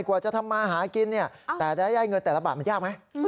กว่าจะทำมาหากินแต่ได้ย่ายเงินแต่ละบาทมันยากไหม